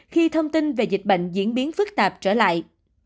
khi thông tin về dịch bệnh diễn biến phức tạp trở lại